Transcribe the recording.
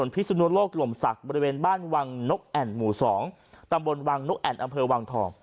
พิสุนุโลกลมศักดิ์บริเวณบ้านวังนกแอ่นหมู่๒ตำบลวังนกแอ่นอำเภอวังทอง